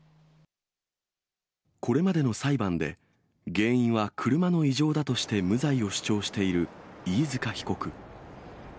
これまでの裁判で、原因は車の異常だとして無罪を主張している飯塚被告。